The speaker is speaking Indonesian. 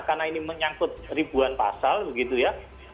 karena ini menyangkut ribuan pasal begitu ya